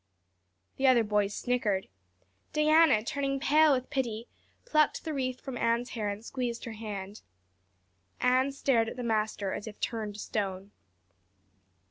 The other boys snickered. Diana, turning pale with pity, plucked the wreath from Anne's hair and squeezed her hand. Anne stared at the master as if turned to stone.